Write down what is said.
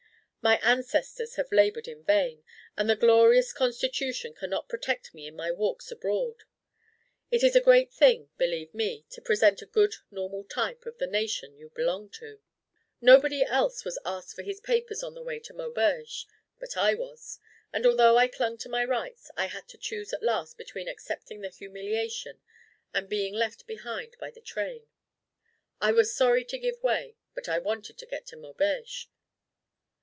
My ancestors have laboured in vain, and the glorious Constitution cannot protect me in my walks abroad. It is a great thing, believe me, to present a good normal type of the nation you belong to. Nobody else was asked for his papers on the way to Maubeuge; but I was; and although I clung to my rights, I had to choose at last between accepting the humiliation and being left behind by the train. I was sorry to give way; but I wanted to get to Maubeuge.